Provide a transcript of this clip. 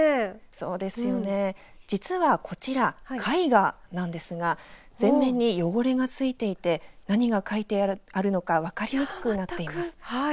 そうですよね、実はこちら絵画なんですが全面に汚れが付いていて何が描いてあるのか分かりにくくなっています。